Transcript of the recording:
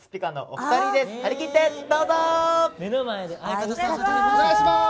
お願いします！